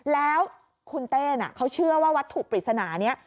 แล้วคุณเต้นเขาเชื่อว่าวัตถุปริศนานี้